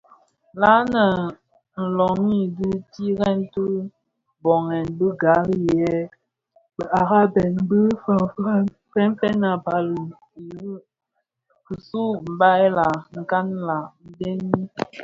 Lanne më nloghi dhi tirèd ti bodhèn bi gari yi bë araben bi fènfèn a bali Ire kisu: Mbai la? nkan la? dhëni.